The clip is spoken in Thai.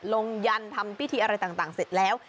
ยันทำพิธีอะไรต่างเสร็จแล้ว